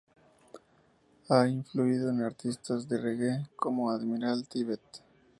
Ha influido en artistas de reggae como Admiral Tibet.